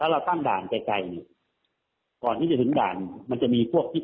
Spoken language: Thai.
รถบนทางของผู้ใช้รถ